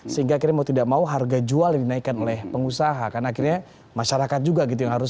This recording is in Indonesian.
sehingga akhirnya mau tidak mau harga jual yang dinaikkan oleh pengusaha karena akhirnya masyarakat juga gitu yang harus